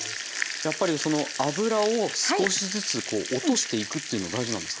やっぱりその脂を少しずつ落としていくっていうのは大事なんですか？